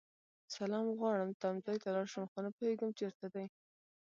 سلام غواړم تمځای ته لاړشم خو نه پوهيږم چیرته دی